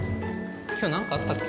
今日何かあったっけ？